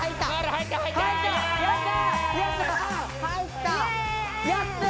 入った！